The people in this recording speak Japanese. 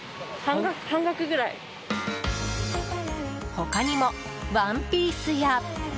他にも、ワンピースや。